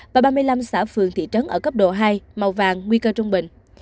và ba mươi năm xã phường thị trấn ở cấp độ hai màu vàng nguy cơ trung bình